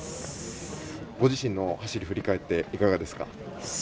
ご自身の走り、振り返っていかがですか？